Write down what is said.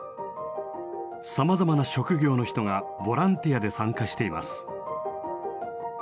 さまざまな職業の人がボランティアで参加しています。